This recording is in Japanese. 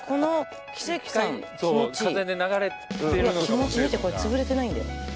気持ちいい見てこれ潰れてないんだよ